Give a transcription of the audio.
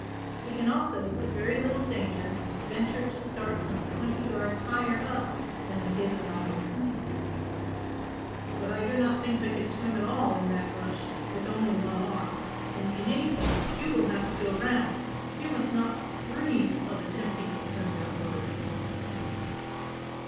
We can also with very little danger venture to start some twenty yards higher up than I did when I was coming." "But I do not think I could swim at all in that rush with only one arm, and in any case you will have to go round; you must not dream of attempting to swim that water again."